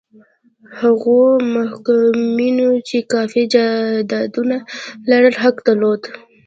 هغو محکومینو چې کافي جایدادونه لرل حق درلود.